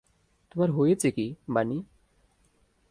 তোমার হয়েছে কি, বানি?